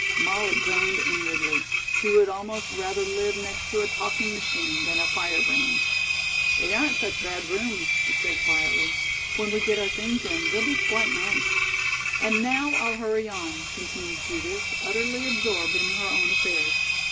Molly groaned inwardly. She would almost rather live next to a talking machine than a firebrand. "They aren't such bad rooms," she said quietly. "When we get our things in, they'll be quite nice." "And now, I'll hurry on," continued Judith, utterly absorbed in her own affairs.